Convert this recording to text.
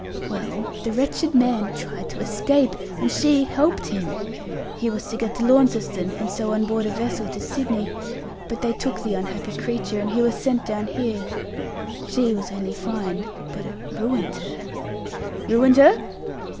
"Well, the wretched man tried to escape, and she helped him. He was to get to Launceston, and so on board a vessel to Sydney; but they took the unhappy creature, and he was sent down here. She was only fined, but it ruined her." "Ruined her?"